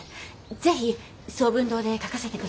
是非聡文堂で書かせて下さい。